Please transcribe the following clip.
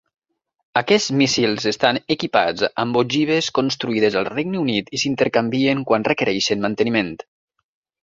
Aquests míssils estan equipats amb ogives construïdes al Regne Unit i s'intercanvien quan requereixen manteniment.